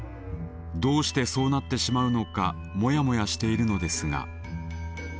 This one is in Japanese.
どうしてそうなってしまうのかモヤモヤしているのですが。